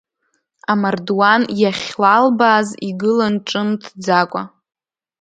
Амардуан иахьлалбааз игылан ҿымҭӡакәа.